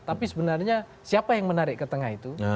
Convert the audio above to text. tapi sebenarnya siapa yang menarik ke tengah itu